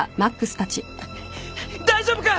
大丈夫か！？